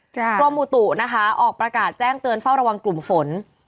กรมอุตุนะคะออกประกาศแจ้งเตือนเฝ้าระวังกลุ่มฝน